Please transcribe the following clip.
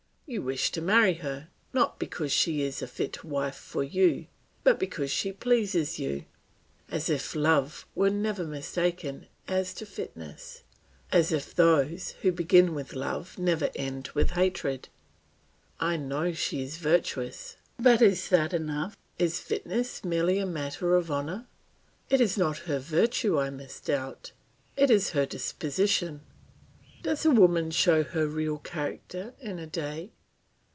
You wish to marry her, not because she is a fit wife for you, but because she pleases you; as if love were never mistaken as to fitness, as if those, who begin with love, never ended with hatred! I know she is virtuous; but is that enough? Is fitness merely a matter of honour? It is not her virtue I misdoubt, it is her disposition. Does a woman show her real character in a day?